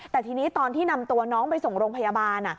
แต่ทีนี้ตอนที่นำตัวน้องไปส่งโรงพยาบาล